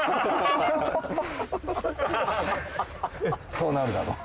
そうなるだろ。